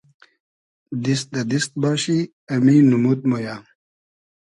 دیست دۂ دیست باشی امی نومود مۉ یۂ